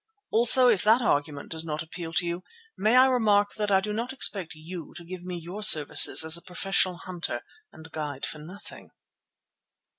Also if that argument does not appeal to you, may I remark that I do not expect you to give me your services as a professional hunter and guide for nothing."